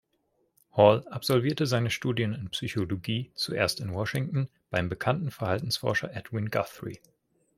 Hall absolvierte seine Studien in Psychologie zuerst in Washington beim bekannten Verhaltensforscher Edwin Guthrie.